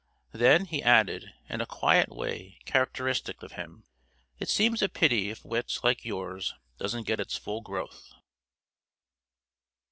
Then he added, in a quiet way characteristic of him, "It seems a pity if wit like yours doesn't get its full growth."